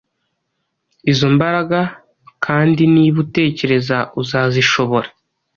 izo mbaraga kandiniba utekereza uzazishobora